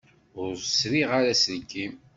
Ur sriɣ ara aselkim.